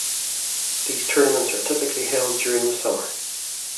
These tournaments are typically held during the summer.